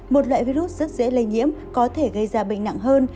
một loại virus rất dễ lây nhiễm có thể gây ra bệnh nặng hơn